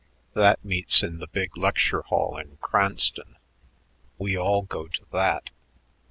That meets in the big lecture hall in Cranston. We all go to that.